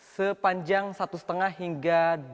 sepanjang satu setengah hingga